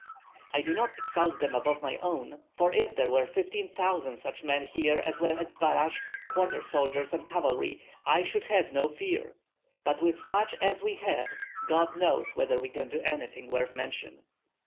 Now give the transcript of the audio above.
"I do not exalt them above my own; for if there were fifteen thousand such men here as were at Zbaraj, quarter soldiers and cavalry, I should have no fear. But with such as we have God knows whether we can do anything worth mention."